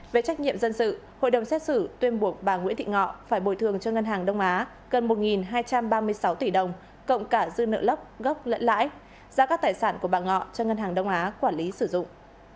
về trách nhiệm dân sự hội đồng xét xử tuyên buộc bà nguyễn thị ngọ phải bồi thường cho ngân hàng đông á gần một hai trăm ba mươi sáu tỷ đồng cộng cả dư nợ lốc gốc lẫn lãi giá các tài sản của bà ngọ cho ngân hàng đông á quản lý sử dụng